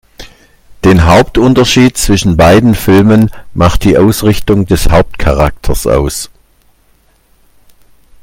Den Hauptunterschied zwischen beiden Filmen macht die Ausrichtung des Hauptcharakters aus.